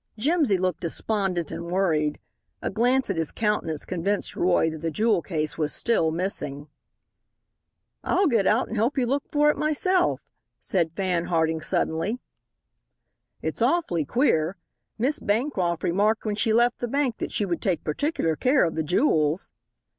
Jimsy looked despondent and worried. A glance at his countenance convinced Roy that the jewel case was still missing. "I'll get out and help you look for it myself," said Fan Harding suddenly. "It's awfully queer. Miss Bancroft remarked when she left the bank that she would take particular care of the jewels."